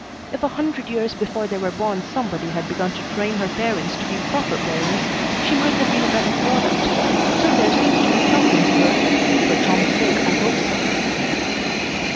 If a hundred years before they were born somebody had begun to train her parents to be proper parents she might have been a better product, still there seems to be something to her. For Tom's sake I hope so."